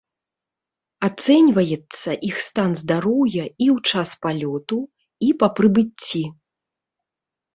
Ацэньваецца іх стан здароўя і ў час палёту, і па прыбыцці.